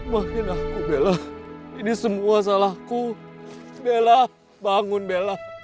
mohon maaf bella ini semua salahku bella bangun bella